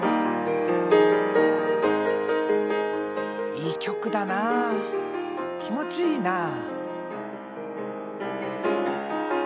いい曲だな気持ちいいなあ。